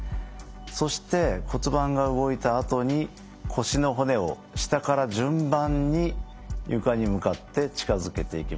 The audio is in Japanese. そして骨盤が動いたあとに腰の骨を下から順番に床に向かって近づけていきます。